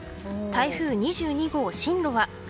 台風２２号、進路は？